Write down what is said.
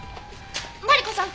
マリコさん！